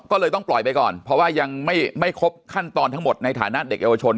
ก็เลยต้องปล่อยไปก่อนเพราะว่ายังไม่ครบขั้นตอนทั้งหมดในฐานะเด็กเยาวชน